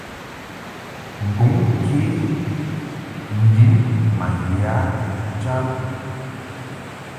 Nduŋ ke n-din ma ye a jam.